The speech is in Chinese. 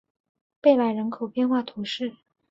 贝莱人口变化图示